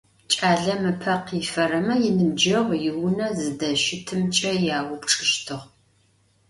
Кӏалэм ыпэ кифэрэмэ иныбджэгъу иунэ зыдыщытымкӏэ яупчӏыщтыгъ.